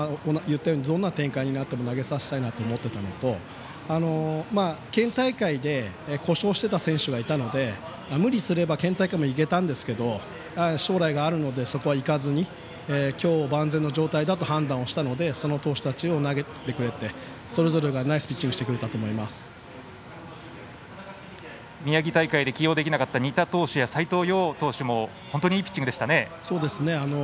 どんな展開になっても投げさせたいなと思っていたのと県大会で故障していた選手がいたので無理すれば県大会もいけたんですが将来があるので、そこはいかずに今日を万全の状態だと判断してその投手たちが投げてくれて、それぞれがナイスピッチングをしてくれたと宮城大会で起用できなかった仁田投手や斎藤蓉投手も本当にいいピッチングでしたね。